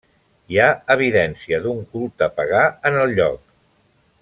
Hi ha evidència d'un culte pagà en el lloc.